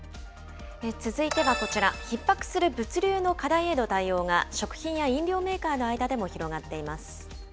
続いてはこちら、ひっ迫する物流の課題への対応が、食品や飲料メーカーの間でも広がっています。